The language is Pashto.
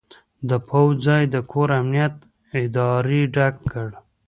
د پوځ ځای د کور امنیت ادارې ډک کړ.